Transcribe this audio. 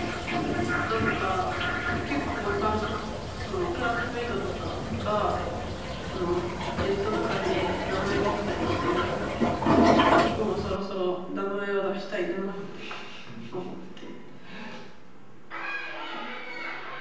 何か結構他の子クラスメートとかがネットとかで名前が出たりしてるから「僕もそろそろ名前を出したいな」って思って。